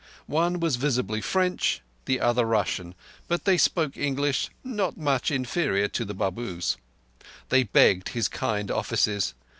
One was visibly French, the other Russian, but they spoke English not much inferior to the Babu's. They begged his kind offices.